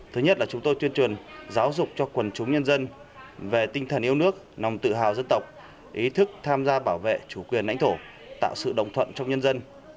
thứ nhất là chúng tôi tuyên truyền giáo dục cho quần chúng nhân dân về tinh thần yêu nước nồng tự hào dân tộc ý thức tham gia bảo vệ chủ quyền nãnh thổ tạo sự đồng thuận trong nhân dân